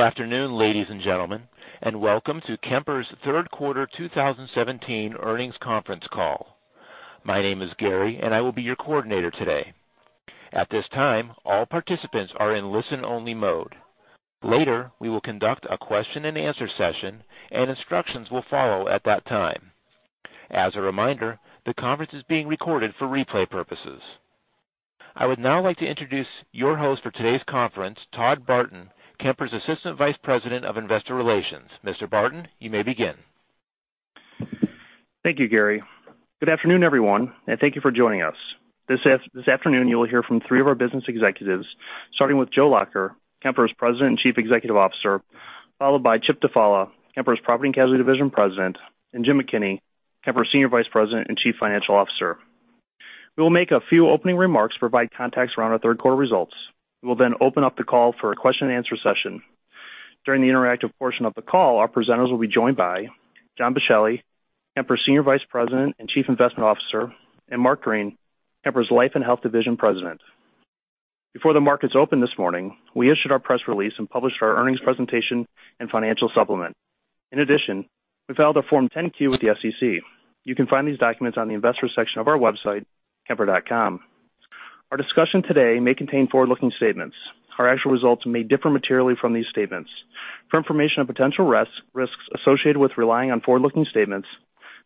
Good afternoon, ladies and gentlemen, and welcome to Kemper's third quarter 2017 earnings conference call. My name is Gary, and I will be your coordinator today. At this time, all participants are in listen-only mode. Later, we will conduct a question and answer session, and instructions will follow at that time. As a reminder, the conference is being recorded for replay purposes. I would now like to introduce your host for today's conference, Todd Barton, Kemper's Assistant Vice President of Investor Relations. Mr. Barton, you may begin. Thank you, Gary. Good afternoon, everyone, and thank you for joining us. This afternoon, you'll hear from three of our business executives, starting with Joe Lacher, Kemper's President and Chief Executive Officer, followed by Chip Dufala, Kemper's Property and Casualty Division President, and Jim McKinney, Kemper's Senior Vice President and Chief Financial Officer. We will make a few opening remarks, provide context around our third quarter results. We will then open up the call for a question and answer session. During the interactive portion of the call, our presenters will be joined by John Boschelli, Kemper's Senior Vice President and Chief Investment Officer, and Mark Green, Kemper's Life and Health Division President. Before the markets opened this morning, we issued our press release and published our earnings presentation and financial supplement. In addition, we filed a Form 10-Q with the SEC. You can find these documents on the investor section of our website, kemper.com. Our discussion today may contain forward-looking statements. Our actual results may differ materially from these statements. For information on potential risks associated with relying on forward-looking statements,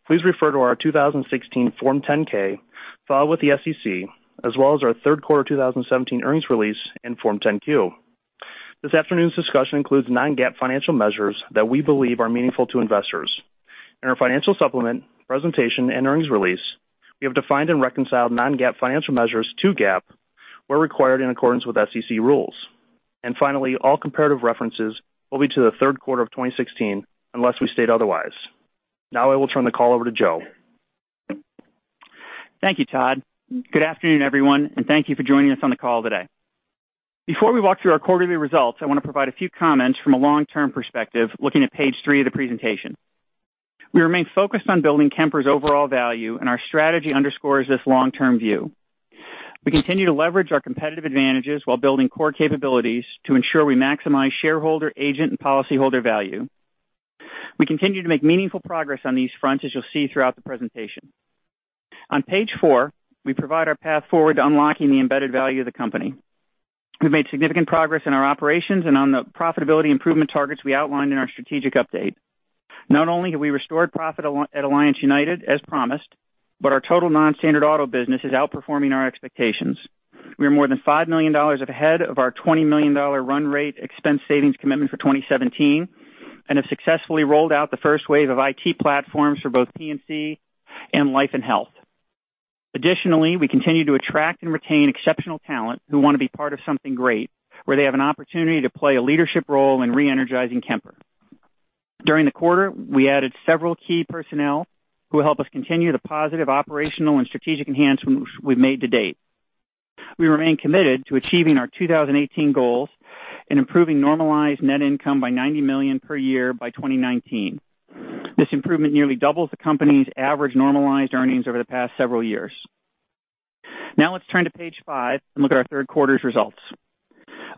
please refer to our 2016 Form 10-K filed with the SEC, as well as our third quarter 2017 earnings release and Form 10-Q. This afternoon's discussion includes non-GAAP financial measures that we believe are meaningful to investors. In our financial supplement, presentation, and earnings release, we have defined and reconciled non-GAAP financial measures to GAAP, where required in accordance with SEC rules. Finally, all comparative references will be to the third quarter of 2016, unless we state otherwise. Now I will turn the call over to Joe. Thank you, Todd. Good afternoon, everyone, and thank you for joining us on the call today. Before we walk through our quarterly results, I want to provide a few comments from a long-term perspective, looking at page three of the presentation. We remain focused on building Kemper's overall value, and our strategy underscores this long-term view. We continue to leverage our competitive advantages while building core capabilities to ensure we maximize shareholder, agent, and policyholder value. We continue to make meaningful progress on these fronts, as you'll see throughout the presentation. On page four, we provide our path forward to unlocking the embedded value of the company. We've made significant progress in our operations and on the profitability improvement targets we outlined in our strategic update. Not only have we restored profit at Alliance United as promised, but our total non-standard auto business is outperforming our expectations. We are more than $5 million ahead of our $20 million run rate expense savings commitment for 2017 and have successfully rolled out the first wave of IT platforms for both P&C and Life & Health. We continue to attract and retain exceptional talent who want to be part of something great, where they have an opportunity to play a leadership role in re-energizing Kemper. During the quarter, we added several key personnel who will help us continue the positive operational and strategic enhancements we've made to date. We remain committed to achieving our 2018 goals and improving normalized net income by $90 million per year by 2019. This improvement nearly doubles the company's average normalized earnings over the past several years. Let's turn to page five and look at our third quarter's results.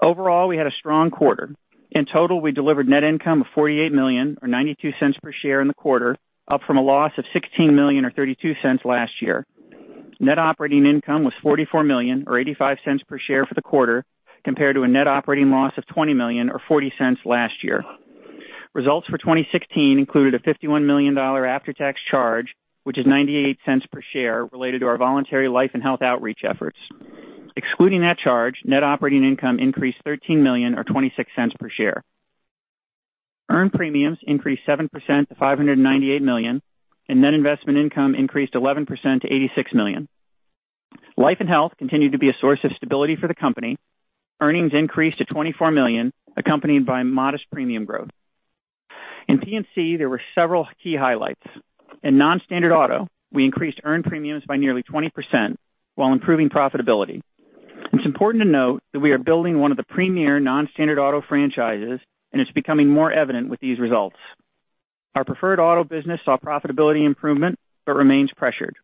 Overall, we had a strong quarter. We delivered net income of $48 million, or $0.92 per share in the quarter, up from a loss of $16 million or $0.32 last year. Net operating income was $44 million or $0.85 per share for the quarter, compared to a net operating loss of $20 million or $0.40 last year. Results for 2016 included a $51 million after-tax charge, which is $0.98 per share related to our voluntary Life & Health outreach efforts. Excluding that charge, net operating income increased $13 million or $0.26 per share. Earned premiums increased 7% to $598 million, and net investment income increased 11% to $86 million. Life & Health continued to be a source of stability for the company. Earnings increased to $24 million, accompanied by modest premium growth. In P&C, there were several key highlights. In non-standard auto, we increased earned premiums by nearly 20% while improving profitability. It's important to note that we are building one of the premier non-standard auto franchises, and it's becoming more evident with these results. Our preferred auto business saw profitability improvement but remains pressured.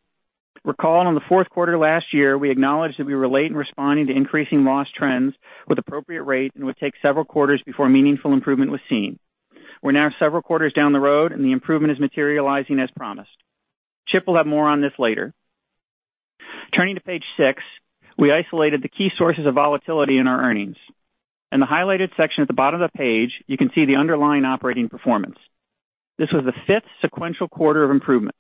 Recall in the fourth quarter last year, we acknowledged that we were late in responding to increasing loss trends with appropriate rates and would take several quarters before meaningful improvement was seen. We are now several quarters down the road, and the improvement is materializing as promised. Chip will have more on this later. Turning to page six, we isolated the key sources of volatility in our earnings. In the highlighted section at the bottom of the page, you can see the underlying operating performance. This was the fifth sequential quarter of improvement.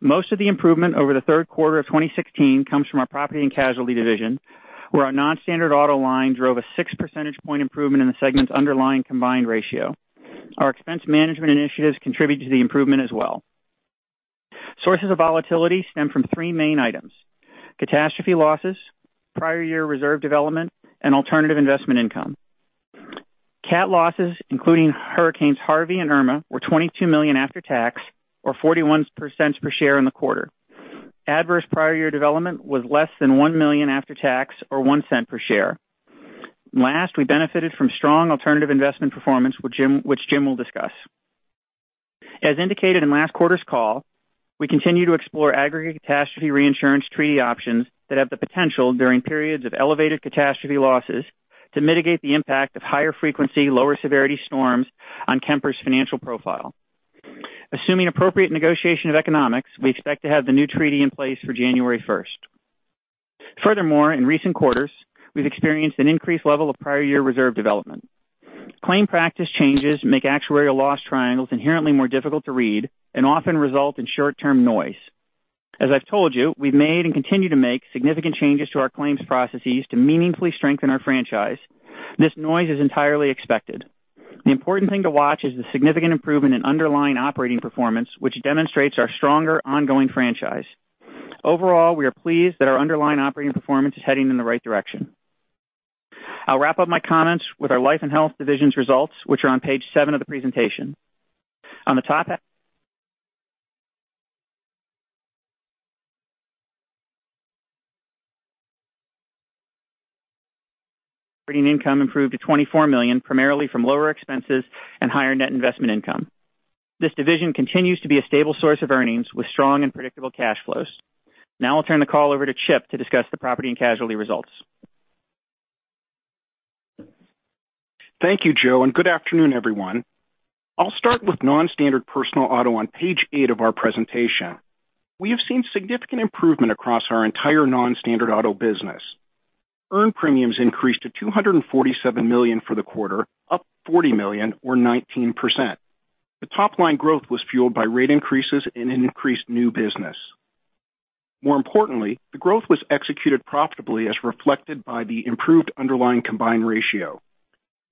Most of the improvement over the third quarter of 2016 comes from our Property and Casualty Division, where our non-standard auto line drove a six-percentage point improvement in the segment's underlying combined ratio. Our expense management initiatives contributed to the improvement as well. Sources of volatility stem from three main items: Catastrophe losses, prior year reserve development, and alternative investment income. Cat losses, including Hurricane Harvey and Hurricane Irma, were $22 million after tax, or $0.41 per share in the quarter. Adverse prior year development was less than $1 million after tax, or $0.01 per share. We benefited from strong alternative investment performance, which Jim will discuss. As indicated in last quarter's call, we continue to explore aggregate catastrophe reinsurance treaty options that have the potential during periods of elevated catastrophe losses to mitigate the impact of higher frequency, lower severity storms on Kemper's financial profile. Assuming appropriate negotiation of economics, we expect to have the new treaty in place for January 1st. Furthermore, in recent quarters, we've experienced an increased level of prior year reserve development. Claim practice changes make actuarial loss triangles inherently more difficult to read and often result in short-term noise. As I've told you, we've made and continue to make significant changes to our claims processes to meaningfully strengthen our franchise. This noise is entirely expected. The important thing to watch is the significant improvement in underlying operating performance, which demonstrates our stronger ongoing franchise. Overall, we are pleased that our underlying operating performance is heading in the right direction. I'll wrap up my comments with our Life and Health divisions results, which are on page seven of the presentation. On the top half, operating income improved to $24 million, primarily from lower expenses and higher net investment income. This division continues to be a stable source of earnings with strong and predictable cash flows. I'll turn the call over to Chip to discuss the property and casualty results. Thank you, Joe, and good afternoon, everyone. I'll start with non-standard personal auto on page eight of our presentation. We have seen significant improvement across our entire non-standard auto business. Earned premiums increased to $247 million for the quarter, up $40 million or 19%. The top-line growth was fueled by rate increases in an increased new business. More importantly, the growth was executed profitably as reflected by the improved underlying combined ratio.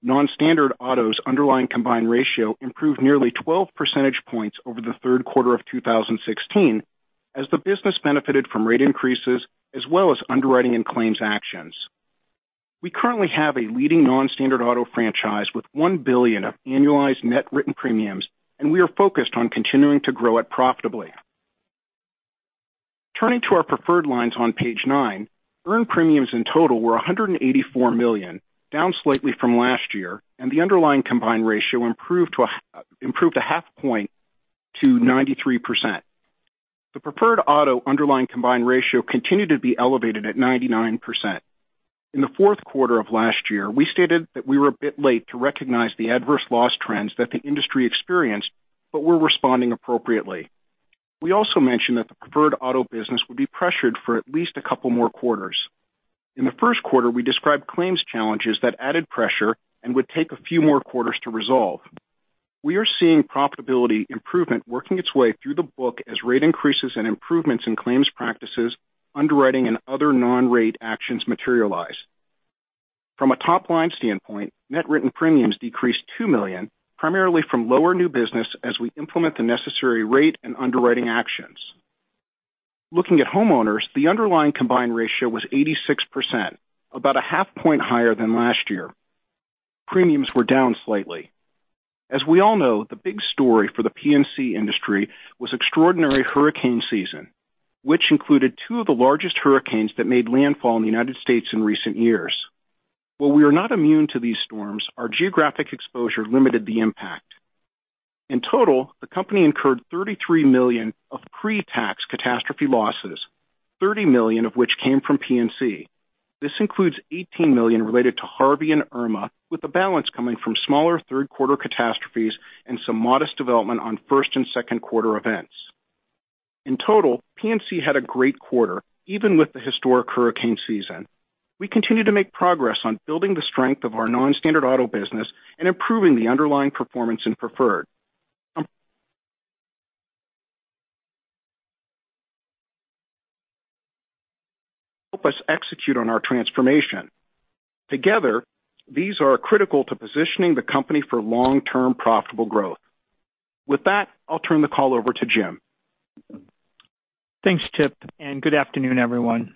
Non-standard auto's underlying combined ratio improved nearly 12 percentage points over the third quarter of 2016 as the business benefited from rate increases as well as underwriting and claims actions. We currently have a leading non-standard auto franchise with $1 billion of annualized net written premiums, and we are focused on continuing to grow it profitably. Turning to our preferred lines on page nine, earned premiums in total were $184 million, down slightly from last year, and the underlying combined ratio improved a half point to 93%. The preferred auto underlying combined ratio continued to be elevated at 99%. In the fourth quarter of last year, we stated that we were a bit late to recognize the adverse loss trends that the industry experienced, but we're responding appropriately. We also mentioned that the preferred auto business would be pressured for at least a couple more quarters. In the first quarter, we described claims challenges that added pressure and would take a few more quarters to resolve. We are seeing profitability improvement working its way through the book as rate increases and improvements in claims practices, underwriting, and other non-rate actions materialize. From a top-line standpoint, net written premiums decreased $2 million, primarily from lower new business as we implement the necessary rate and underwriting actions. Looking at homeowners, the underlying combined ratio was 86%, about a half point higher than last year. Premiums were down slightly. As we all know, the big story for the P&C industry was extraordinary hurricane season, which included two of the largest hurricanes that made landfall in the U.S. in recent years. While we are not immune to these storms, our geographic exposure limited the impact. In total, the company incurred $33 million of pre-tax catastrophe losses, $30 million of which came from P&C. This includes $18 million related to Harvey and Irma, with the balance coming from smaller third-quarter catastrophes and some modest development on first and second quarter events. In total, P&C had a great quarter even with the historic hurricane season. We continue to make progress on building the strength of our non-standard auto business and improving the underlying performance in Preferred. [inaudible] help us execute on our transformation. Together, these are critical to positioning the company for long-term profitable growth. With that, I'll turn the call over to Jim. Thanks, Chip, and good afternoon, everyone.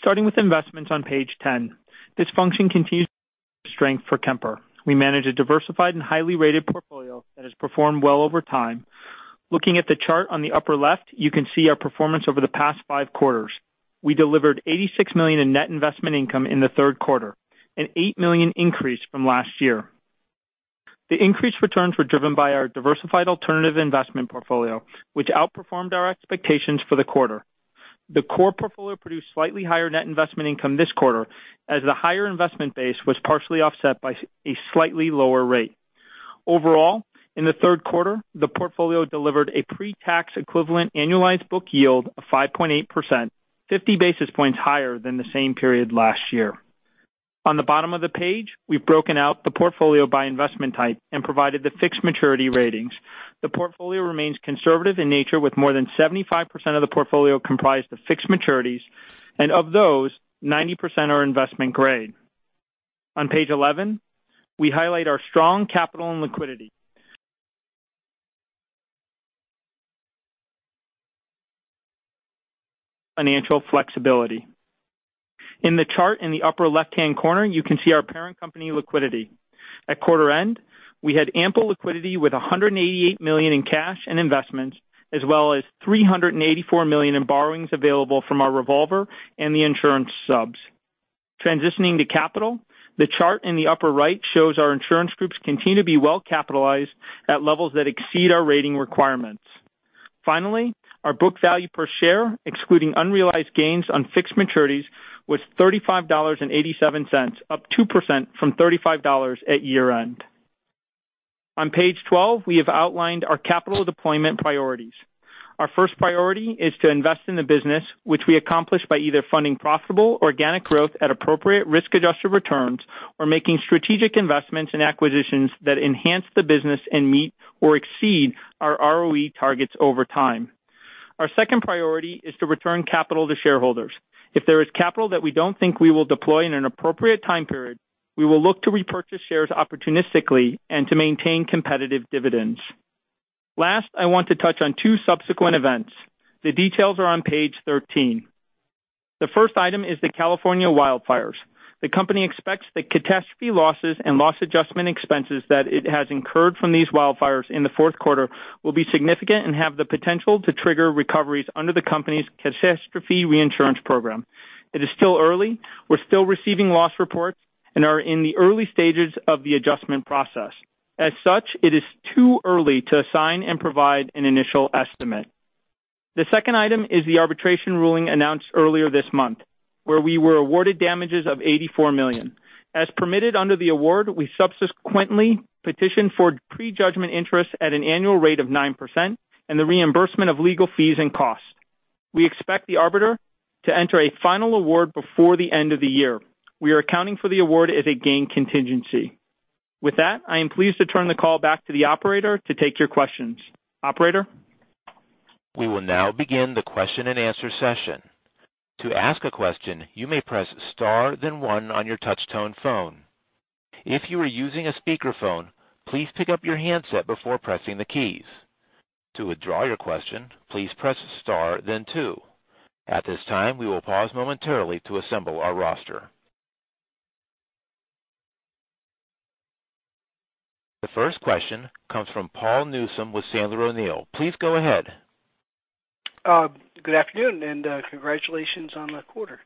Starting with investments on page 10, this function continues to strength for Kemper. We manage a diversified and highly rated portfolio that has performed well over time. Looking at the chart on the upper left, you can see our performance over the past five quarters. We delivered $86 million in net investment income in the third quarter, an $8 million increase from last year. The increased returns were driven by our diversified alternative investment portfolio, which outperformed our expectations for the quarter. The core portfolio produced slightly higher net investment income this quarter, as the higher investment base was partially offset by a slightly lower rate. Overall, in the third quarter, the portfolio delivered a pre-tax equivalent annualized book yield of 5.8%, 50 basis points higher than the same period last year. On the bottom of the page, we've broken out the portfolio by investment type and provided the fixed maturity ratings. The portfolio remains conservative in nature with more than 75% of the portfolio comprised of fixed maturities, and of those, 90% are investment grade. On page 11, we highlight our strong capital and liquidity. Financial flexibility. In the chart in the upper left-hand corner, you can see our parent company liquidity. At quarter end, we had ample liquidity with $188 million in cash and investments, as well as $384 million in borrowings available from our revolver and the insurance subs. Transitioning to capital, the chart in the upper right shows our insurance groups continue to be well-capitalized at levels that exceed our rating requirements. Finally, our book value per share, excluding unrealized gains on fixed maturities, was $35.87, up 2% from $35 at year-end. On page 12, we have outlined our capital deployment priorities. Our first priority is to invest in the business, which we accomplish by either funding profitable organic growth at appropriate risk-adjusted returns, or making strategic investments and acquisitions that enhance the business and meet or exceed our ROE targets over time. Our second priority is to return capital to shareholders. If there is capital that we don't think we will deploy in an appropriate time period, we will look to repurchase shares opportunistically and to maintain competitive dividends. Last, I want to touch on two subsequent events. The details are on page 13. The first item is the California wildfires. The company expects the catastrophe losses and loss adjustment expenses that it has incurred from these wildfires in the fourth quarter will be significant and have the potential to trigger recoveries under the company's catastrophe reinsurance program. It is still early. We're still receiving loss reports and are in the early stages of the adjustment process. As such, it is too early to assign and provide an initial estimate. The second item is the arbitration ruling announced earlier this month, where we were awarded damages of $84 million. As permitted under the award, we subsequently petitioned for prejudgment interest at an annual rate of 9% and the reimbursement of legal fees and costs. We expect the arbiter to enter a final award before the end of the year. We are accounting for the award as a gain contingency. With that, I am pleased to turn the call back to the operator to take your questions. Operator? We will now begin the question and answer session. To ask a question, you may press star then one on your touch tone phone. If you are using a speakerphone, please pick up your handset before pressing the keys. To withdraw your question, please press star then two. At this time, we will pause momentarily to assemble our roster. The first question comes from Paul Newsome with Sandler O'Neill. Please go ahead. Good afternoon. Congratulations on the quarter.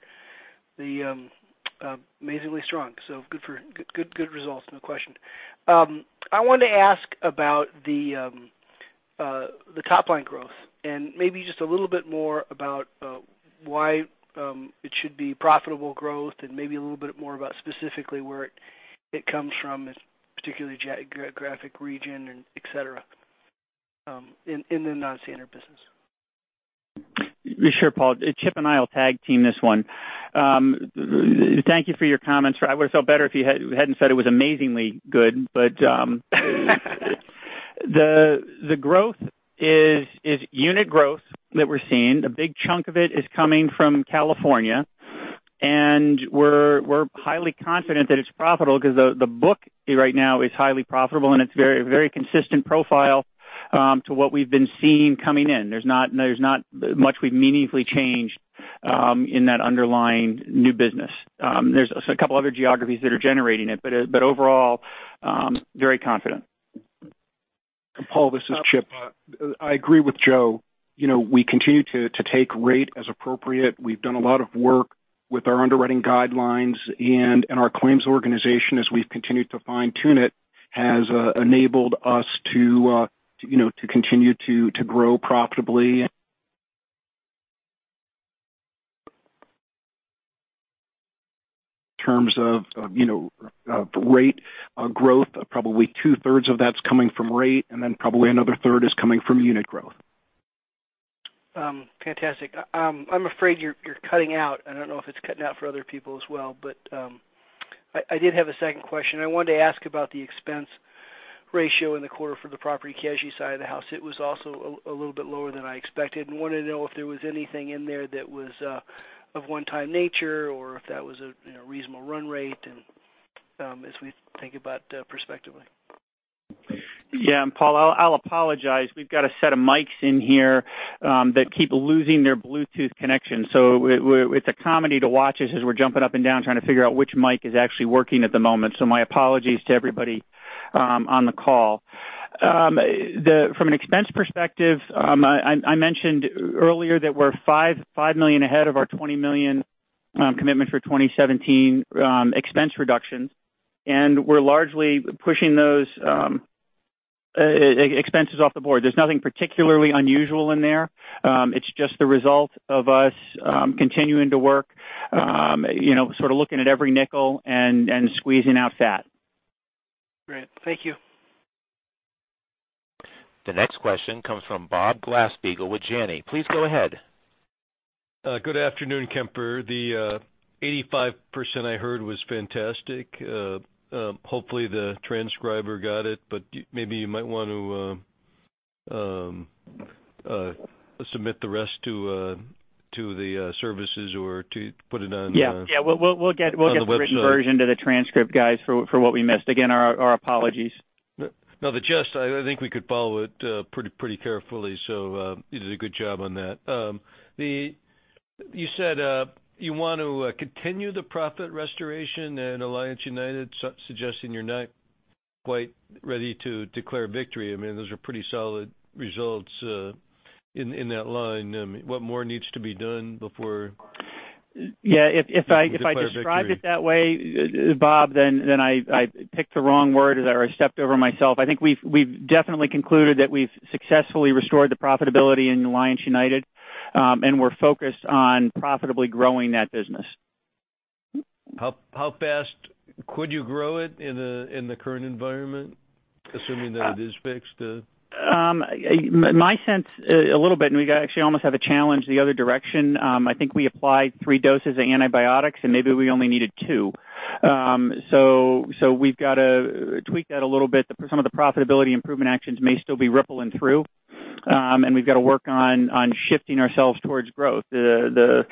Amazingly strong. Good results. No question. I wanted to ask about the top-line growth and maybe just a little bit more about why it should be profitable growth and maybe a little bit more about specifically where it comes from, particularly geographic region and et cetera, in the non-standard business. Sure, Paul. Chip and I will tag team this one. Thank you for your comments. I would've felt better if you hadn't said it was amazingly good. The growth is unit growth that we're seeing. A big chunk of it is coming from California, and we're highly confident that it's profitable because the book right now is highly profitable, and it's a very consistent profile to what we've been seeing coming in. There's not much we've meaningfully changed in that underlying new business. There's a couple other geographies that are generating it. Overall, very confident. Paul, this is Chip. I agree with Joe. We continue to take rate as appropriate. We've done a lot of work with our underwriting guidelines. Our claims organization, as we've continued to fine-tune it, has enabled us to continue to grow profitably. In terms of rate growth, probably two-thirds of that's coming from rate. Then probably another third is coming from unit growth. Fantastic. I'm afraid you're cutting out. I don't know if it's cutting out for other people as well. I did have a second question. I wanted to ask about the expense ratio in the quarter for the property casualty side of the house. It was also a little bit lower than I expected. Wanted to know if there was anything in there that was of one-time nature or if that was a reasonable run rate as we think about perspectively. Paul, I'll apologize. We've got a set of mics in here that keep losing their Bluetooth connection. It's a comedy to watch us as we're jumping up and down trying to figure out which mic is actually working at the moment. My apologies to everybody on the call. From an expense perspective, I mentioned earlier that we're $5 million ahead of our $20 million commitment for 2017 expense reductions, and we're largely pushing those expenses off the board. There's nothing particularly unusual in there. It's just the result of us continuing to work, sort of looking at every nickel and squeezing out fat. Great. Thank you. The next question comes from Bob Glasspiegel with Janney. Please go ahead. Good afternoon, Kemper. The 85% I heard was fantastic. Hopefully, the transcriber got it, but maybe you might want to submit the rest to the services or to put it on- Yeah. -on the website. We'll get the written version to the transcript guys for what we missed. Again, our apologies. No, I think we could follow it pretty carefully, so you did a good job on that. You said you want to continue the profit restoration and Alliance United suggesting you're not quite ready to declare victory. I mean, those are pretty solid results in that line. What more needs to be done before- Yeah, if I- You can declare victory described it that way, Bob, I picked the wrong word or I stepped over myself. I think we've definitely concluded that we've successfully restored the profitability in Alliance United, and we're focused on profitably growing that business. How fast could you grow it in the current environment, assuming that it is fixed? My sense, a little bit, we actually almost have a challenge the other direction. I think we applied three doses of antibiotics, and maybe we only needed two. We've got to tweak that a little bit. Some of the profitability improvement actions may still be rippling through. We've got to work on shifting ourselves towards growth. I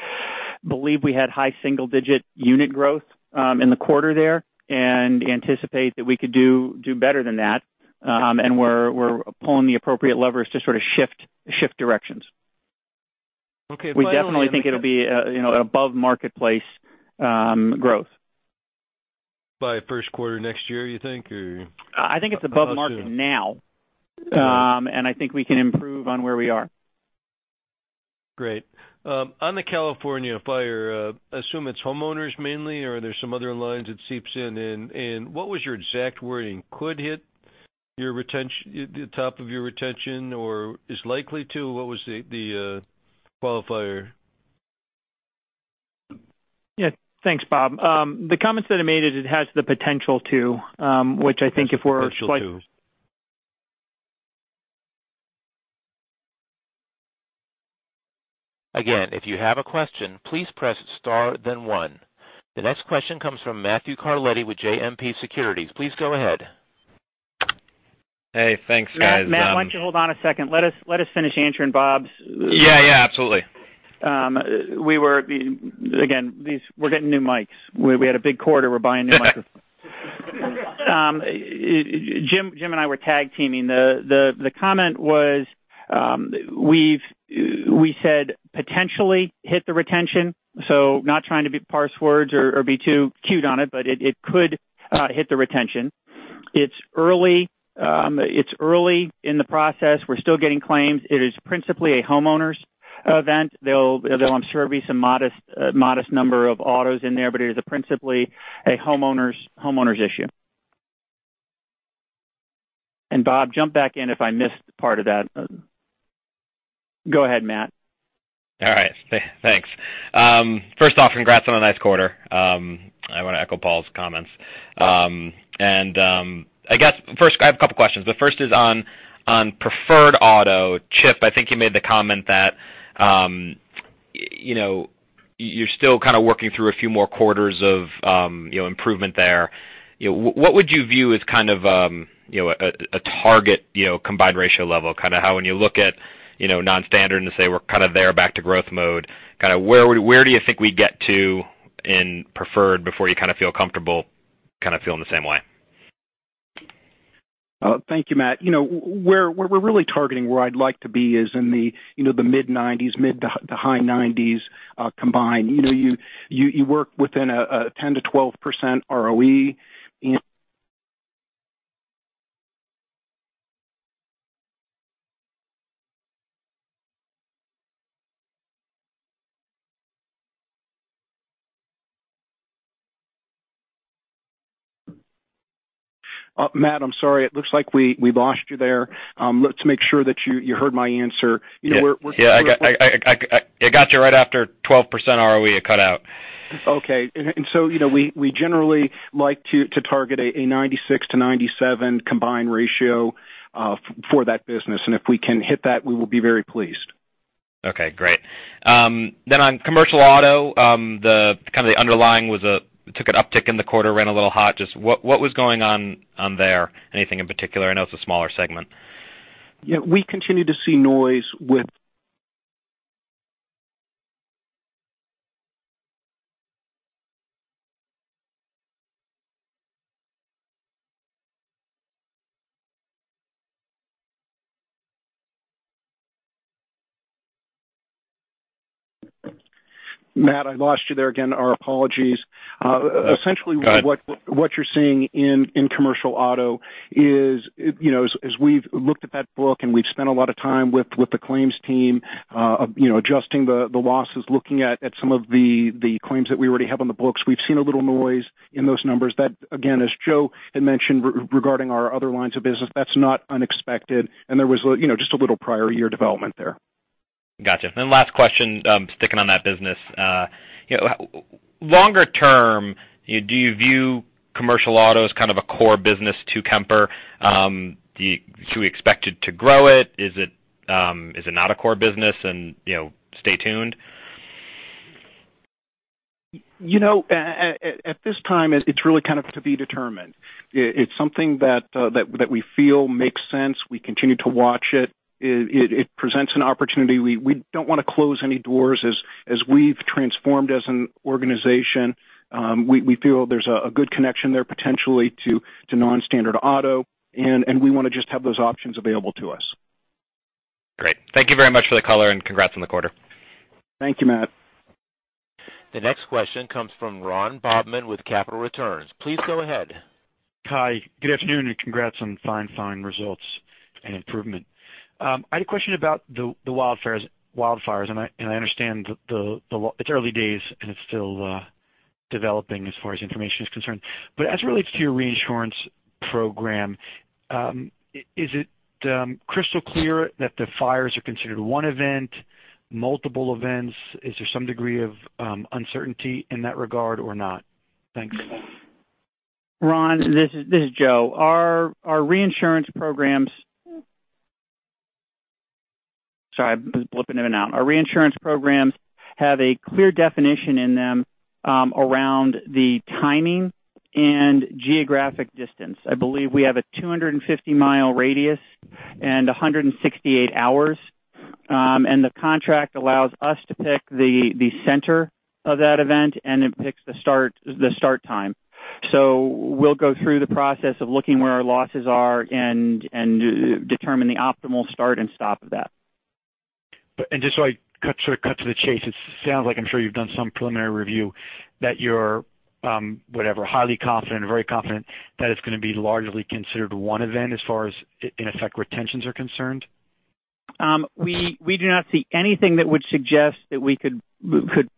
believe we had high single-digit unit growth in the quarter there and anticipate that we could do better than that. We're pulling the appropriate levers to sort of shift directions. Okay. We definitely think it'll be above marketplace growth. By first quarter next year, you think, or? I think it's above market now. All right. I think we can improve on where we are. Great. On the California wildfires, I assume it's homeowners mainly, or are there some other lines that seeps in? What was your exact wording, could hit the top of your retention, or is likely to? What was the qualifier? Yeah. Thanks, Bob. The comments that I made is it has the potential to. Has the potential to. Again, if you have a question, please press star then one. The next question comes from Matthew Carletti with JMP Securities. Please go ahead. Hey, thanks, guys. Matt, why don't you hold on a second? Let us finish answering Bob's. Yeah, absolutely. We're getting new mics. We had a big quarter. We're buying new microphones. Jim and I were tag teaming. The comment was, we said potentially hit the retention. Not trying to parse words or be too cute on it, but it could hit the retention. It's early in the process. We're still getting claims. It is principally a homeowners event. There'll, I'm sure, be some modest number of autos in there, but it is principally a homeowners issue. Bob, jump back in if I missed part of that. Go ahead, Matt. All right. Thanks. First off, congrats on a nice quarter. I want to echo Paul's comments. I have a couple questions. The first is on preferred auto. Chip, I think you made the comment that you're still kind of working through a few more quarters of improvement there. What would you view as kind of a target combined ratio level, kind of how when you look at non-standard and say we're kind of there back to growth mode, kind of where do you think we'd get to in preferred before you kind of feel comfortable kind of feeling the same way? Thank you, Matt. Where we're really targeting where I'd like to be is in the mid nineties, mid to high nineties, combined. You work within a 10%-12% ROE in. [inaudible] Matt, I'm sorry, it looks like we lost you there. Let's make sure that you heard my answer. Yeah. I got you right after 12% ROE, it cut out. Okay. We generally like to target a 96 to 97 combined ratio for that business. If we can hit that, we will be very pleased. Okay, great. On commercial auto, the kind of the underlying took an uptick in the quarter, ran a little hot. What was going on there? Anything in particular? I know it's a smaller segment. Yeah, we continue to see noise with. [inaudible] Matt, I lost you there again, our apologies. Go ahead. Essentially what you're seeing in commercial auto is, as we've looked at that book and we've spent a lot of time with the claims team, adjusting the losses, looking at some of the claims that we already have on the books, we've seen a little noise in those numbers. That, again, as Joe had mentioned regarding our other lines of business, that's not unexpected, and there was just a little prior year development there. Gotcha. Last question, sticking on that business. Longer term, do you view commercial auto as kind of a core business to Kemper? Should we expect it to grow it? Is it not a core business, and stay tuned? At this time, it's really kind of to be determined. It's something that we feel makes sense. We continue to watch it. It presents an opportunity. We don't want to close any doors as we've transformed as an organization. We feel there's a good connection there potentially to non-standard auto, and we want to just have those options available to us. Thank you very much for the color and congrats on the quarter. Thank you, Matt. The next question comes from Ron Bobman with Capital Returns. Please go ahead. Hi. Good afternoon. Congrats on fine results and improvement. I had a question about the wildfires. I understand it's early days and it's still developing as far as information is concerned. As it relates to your reinsurance program, is it crystal clear that the fires are considered one event, multiple events? Is there some degree of uncertainty in that regard or not? Thanks. Ron, this is Joe. Our reinsurance programs Sorry, I'm blipping in and out. Our reinsurance programs have a clear definition in them around the timing and geographic distance. I believe we have a 250-mile radius and 168 hours. The contract allows us to pick the center of that event, and it picks the start time. We'll go through the process of looking where our losses are and determine the optimal start and stop of that. Just so I cut to the chase, it sounds like, I'm sure you've done some preliminary review, that you're, whatever, highly confident or very confident that it's going to be largely considered one event as far as in effect retentions are concerned? We do not see anything that would suggest that we could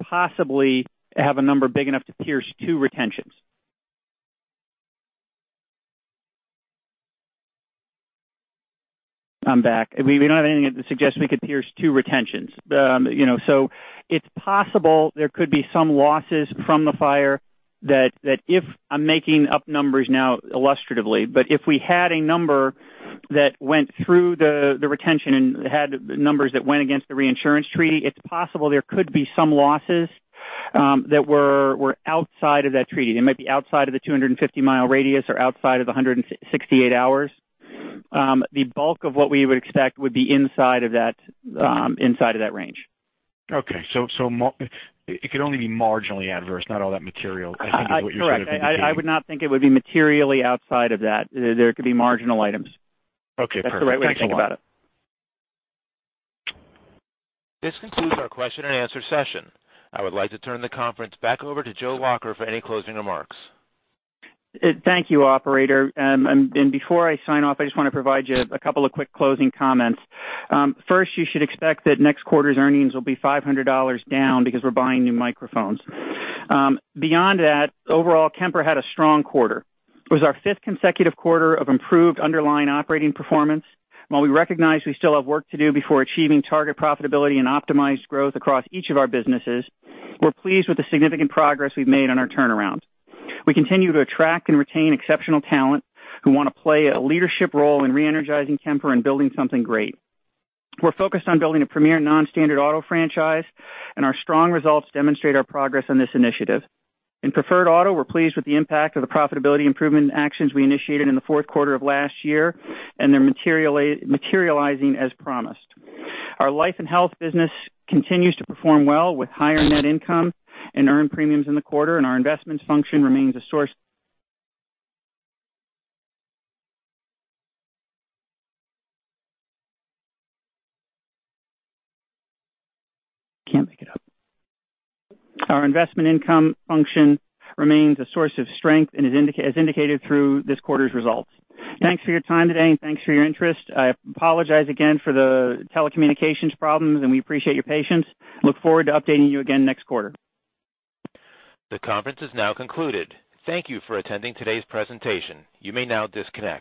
possibly have a number big enough to pierce two retentions. I'm back. We don't have anything that suggests we could pierce two retentions. It's possible there could be some losses from the fire that if, I'm making up numbers now illustratively, but if we had a number that went through the retention and had numbers that went against the reinsurance treaty, it's possible there could be some losses that were outside of that treaty. They might be outside of the 250-mile radius or outside of the 168 hours. The bulk of what we would expect would be inside of that range. Okay. It could only be marginally adverse, not all that material, I think is what you're sort of indicating. Correct. I would not think it would be materially outside of that. There could be marginal items. Okay, perfect. Thanks a lot. That's the right way to think about it. This concludes our question and answer session. I would like to turn the conference back over to Joseph Lacher for any closing remarks. Thank you, operator. Before I sign off, I just want to provide you a couple of quick closing comments. First, you should expect that next quarter's earnings will be $500 down because we're buying new microphones. Beyond that, overall, Kemper had a strong quarter. It was our fifth consecutive quarter of improved underlying operating performance. While we recognize we still have work to do before achieving target profitability and optimized growth across each of our businesses, we're pleased with the significant progress we've made on our turnarounds. We continue to attract and retain exceptional talent who want to play a leadership role in re-energizing Kemper and building something great. We're focused on building a premier non-standard auto franchise, and our strong results demonstrate our progress on this initiative. In preferred auto, we're pleased with the impact of the profitability improvement actions we initiated in the fourth quarter of last year, and they're materializing as promised. Our life and health business continues to perform well with higher net income and earned premiums in the quarter. Our investment income function remains a source of strength as indicated through this quarter's results. Thanks for your time today, and thanks for your interest. I apologize again for the telecommunications problems, and we appreciate your patience. Look forward to updating you again next quarter. The conference is now concluded. Thank you for attending today's presentation. You may now disconnect.